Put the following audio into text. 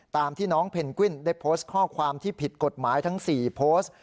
ตามที่น้องเพนกวินได้โพสต์ข้อความที่ผิดกฎหมายทั้ง๔โพสต์